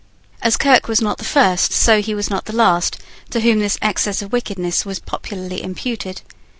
As Kirke was not the first so he was not the last, to whom this excess of wickedness was popularly imputed.